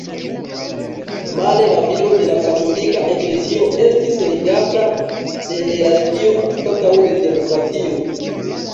Male la vivo de la katolika eklezio estis regata de hierarkio anstataŭ de demokratio.